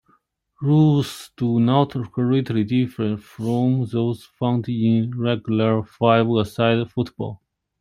Rules do not greatly differ from those found in regular five-a-side football.